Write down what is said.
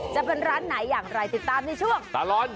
จะเป็นร้านไหนอย่างไรติดตามในช่วงตลอด